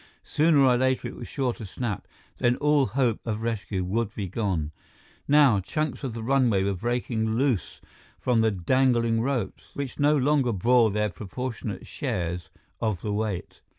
Sooner or later it was sure to snap; then all hope of rescue would be gone. Now, chunks of the runway were breaking loose from the dangling ropes, which no longer bore their proportionate shares of the weight.